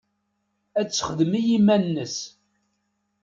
Ad texdem i yiman-nnes.